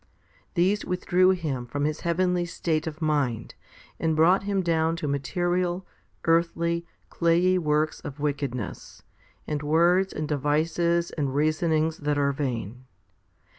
These withdrew him from his heavenly state of mind, and brought him down to material, earthly, clayey works of wickedness, and words and devices and reason ings that are vain.